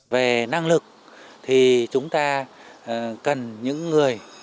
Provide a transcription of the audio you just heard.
về năng lực thì chúng ta cần những người